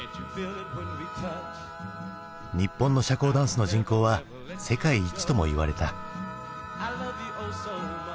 日本の社交ダンスの人口は世界一ともいわれた。